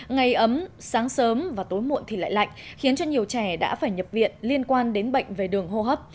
ngày ấm sáng sớm và tối muộn thì lại lạnh khiến cho nhiều trẻ đã phải nhập viện liên quan đến bệnh về đường hô hấp